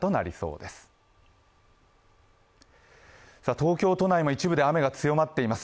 東京都内も一部で雨が強まっています。